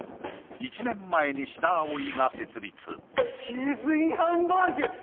１年前に志田葵が設立チーズインハンバーグ！